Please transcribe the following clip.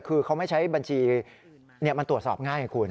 คือเขาไม่ใช้บัญชีมันตรวจสอบง่ายไงคุณ